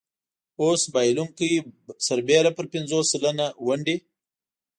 اوس بایلونکی برسېره پر پنځوس سلنه ونډې.